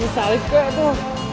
misalnya kayak tuh